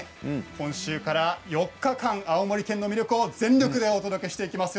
今週から４日間青森県の魅力を全力でお届けしていきます。